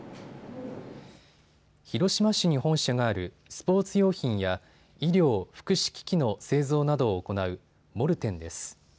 広島市に本社があるスポーツ用品や医療・福祉機器の製造などを行うモルテンです。